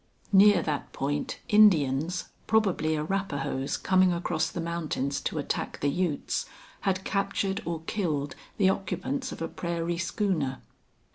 Near that point Indians, probably Arapahoes coming across the mountains to attack the Utes, had captured or killed the occupants of a prairie schooner.